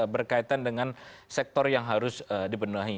berkaitan dengan sektor yang harus dibenahi